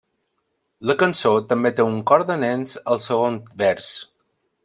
La cançó també té un cor de nens al segon vers.